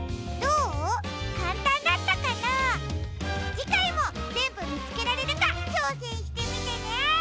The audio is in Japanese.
じかいもぜんぶみつけられるかちょうせんしてみてね！